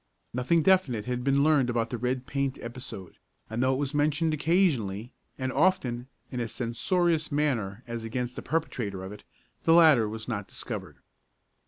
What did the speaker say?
Nothing definite had been learned about the red paint episode, and though it was mentioned occasionally, and often in a censorious manner as against the perpetrator of it, the latter was not discovered.